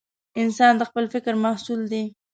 انسان د خپل فکر محصول دی.